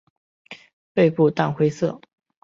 背部淡灰色。